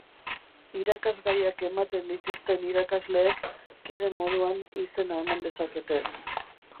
Irakasgaiak ematen dituzten irakasleek kide moduan izena eman dezakete.